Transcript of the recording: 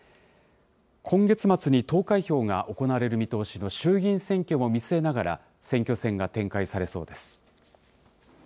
今月末に投開票が行われる見通しの衆議院選挙も見据えながら、選挙戦が展開されそうです。